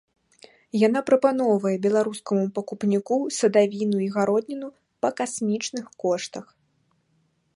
Яна прапаноўвае беларускаму пакупніку садавіну і гародніну па касмічных коштах.